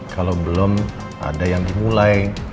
kalau belum ada yang dimulai